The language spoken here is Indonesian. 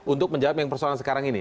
untuk menjawab yang persoalan sekarang ini